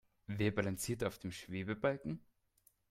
Wer balanciert da auf dem Schwebebalken?